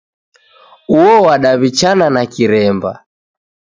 Uo wadaw'ichana na kiremba.